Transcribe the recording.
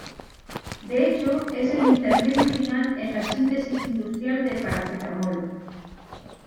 De hecho, es el intermedio final en la síntesis industrial de paracetamol.